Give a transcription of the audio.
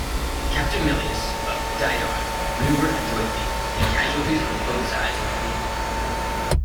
Captain Milius, of "Didon", maneuvered adroitly, and casualties on both sides were heavy.